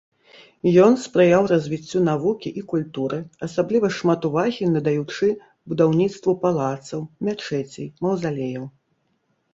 Ён спрыяў развіццю навукі і культуры, асабліва шмат увагі надаючы будаўніцтву палацаў, мячэцей, маўзалеяў.